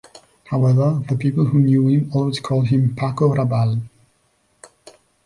However, the people who knew him always called him Paco Rabal.